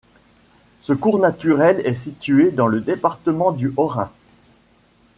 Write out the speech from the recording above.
Ce cours naturel est situé dans le département du Haut-Rhin.